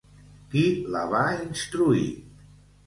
Qui la va instruir?